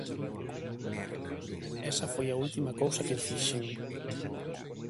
Esa foi a última cousa que fixen".